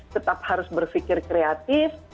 tetap harus berpikir kreatif